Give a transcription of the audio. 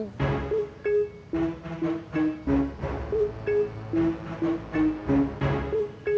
deket gara gara pernah kecopetan